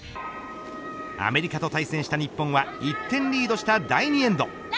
アメリカと対戦した日本は１点リードした第２エンド。